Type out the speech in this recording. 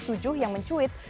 jujur yang mencuit